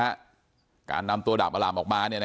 เพราะไม่เคยถามลูกสาวนะว่าไปทำธุรกิจแบบไหนอะไรยังไง